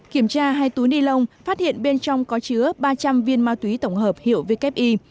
kiểm tra hai túi nilon phát hiện bên trong có chứa ba trăm linh viên ma túy tổng hợp hiệu vkpi